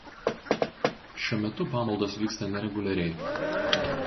Šiuo metu pamaldos vyksta nereguliariai.